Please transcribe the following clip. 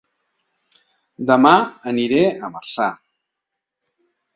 Dema aniré a Marçà